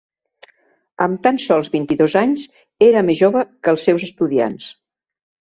Amb tan sols vint-i-dos anys, era més jove que els seus estudiants.